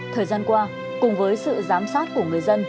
thời gian qua cùng với sự giám sát của người dân